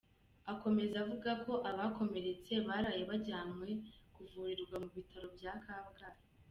Akomeza avuga ko abakomeretse baraye bajyanywe kuvurirwa mu bitaro bya Kabgayi.